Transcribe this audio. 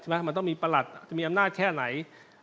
มันต้องมีประหลัดจะมีอำนาจแค่ไหน